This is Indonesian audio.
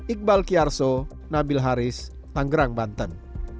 iqbal kiarso nabil haris tanggerang banten